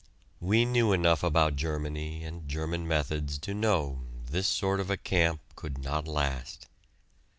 We knew enough about Germany and German methods to know this sort of a camp could not last.